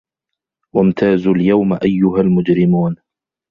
وَامتازُوا اليَومَ أَيُّهَا المُجرِمونَ